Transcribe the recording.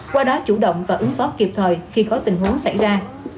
qua đó chủ động và ứng phó kịp thời khi có tình huống xảy ra